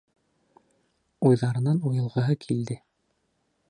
Уйҙарынан уйылғыһы килде.